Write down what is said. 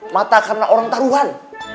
mata karena orang taruhan